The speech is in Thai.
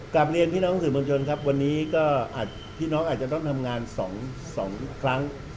กลับเรียนพี่น้องสื่อมวลชนครับวันนี้ก็อาจพี่น้องอาจจะต้องทำงาน๒ครั้ง